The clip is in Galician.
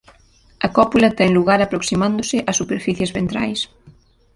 A cópula ten lugar aproximándose as superficies ventrais.